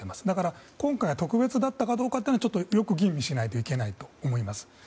だから、今回が特別だったかどうかというのはちょっとよく吟味しないといけないと思います。